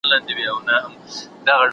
دارغنداب سیند د چاپېریال ښکلا ډېره کړې ده.